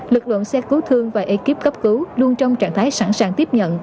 lực lượng xe cứu thương và ekip cấp cứu luôn trong trạng thái sẵn sàng tiếp nhận